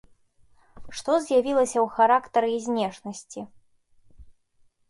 Што з'явілася ў характары і знешнасці?